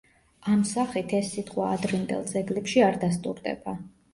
ამ სახით ეს სიტყვა ადრინდელ ძეგლებში არ დასტურდება.